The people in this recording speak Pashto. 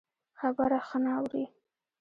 خبره ښه نه اوري.